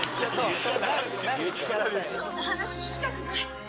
そんな話聞きたくない。